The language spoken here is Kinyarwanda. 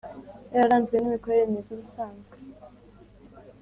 Yararanzwe n imikorere myiza ubusanzwe